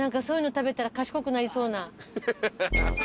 そういうの食べたら賢くなりそうな。